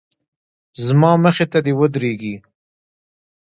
زما مخې ته دې ودرېږي.